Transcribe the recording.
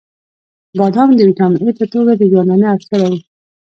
• بادام د ویټامین ای په توګه د ژوندانه اړتیا لري.